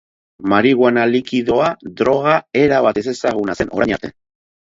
Marihuana likidoa droga erabat ezezaguna zen orain arte.